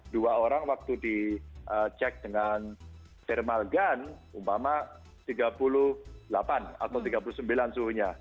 dua orang waktu dicek dengan thermal gun umpama tiga puluh delapan atau tiga puluh sembilan suhunya